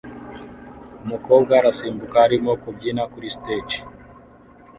Umukobwa arasimbuka arimo kubyina kuri stage